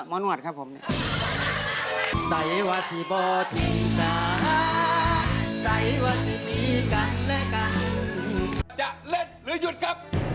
เป็นหมออะไรฮะ